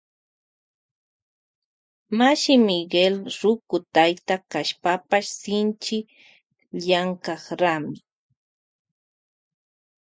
Mashi Miguel ruku tayta kashpapash shinchi llankanrami.